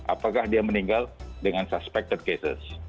apakah dia meninggal dengan suspected cases